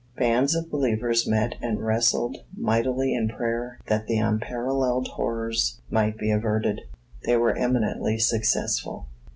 Bands of believers met and wrestled mightily in prayer that the unparalleled horrors might be averted. They were eminently successful.